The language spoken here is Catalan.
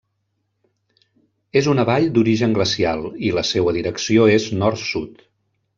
És una vall d'origen glacial i la seua direcció és nord-sud.